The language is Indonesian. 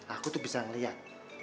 aku tuh bisa liat